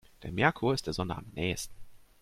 Der Merkur ist der Sonne am nähesten.